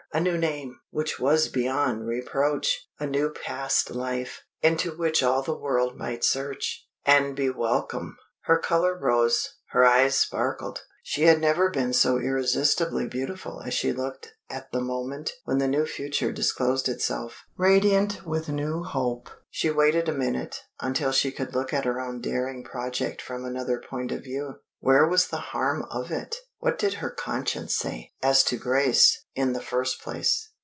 a new name, which was beyond reproach! a new past life, into which all the world might search, and be welcome! Her color rose, her eyes sparkled; she had never been so irresistibly beautiful as she looked at the moment when the new future disclosed itself, radiant with new hope. She waited a minute, until she could look at her own daring project from another point of view. Where was the harm of it? what did her conscience say? As to Grace, in the first place.